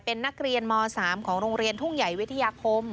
เป็นนักเรียนม๓ของโรงเรียนทุ่งใหญ่วิทยาคม